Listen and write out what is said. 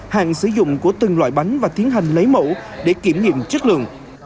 hàng sử dụng của từng loại bánh và tiến hành lấy mẫu để kiểm nghiệm chất lượng